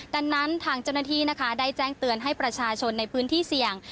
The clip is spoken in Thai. ดังนั้นทางเจ้าหน้าที่นะคะได้แจ้งเตือนให้ประชาชนในพื้นที่เสี่ยง